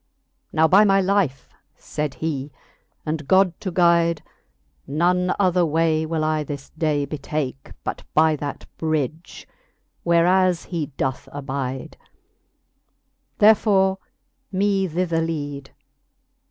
Now by my life, fayd he, and God to guide, None other way will I this day betake, But by that bridge, whereas he doth abide : Therefore me thither lead.